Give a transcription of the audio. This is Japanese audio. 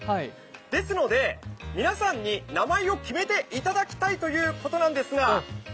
ですので皆さんに名前を決めていただきたいということなんですが。